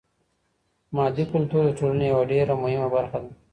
مادي کلتور د ټولني يوه ډېره مهمه برخه ده.